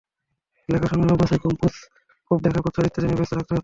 লেখা সংগ্রহ, বাছাই, কম্পোজ, প্রুফ দেখা, প্রচ্ছদ ইত্যাদি নিয়ে ব্যস্ত থাকতে হতো।